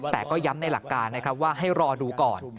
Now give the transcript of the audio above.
แต่ก็ย้ำในหลักการนะครับว่าให้รอดูก่อน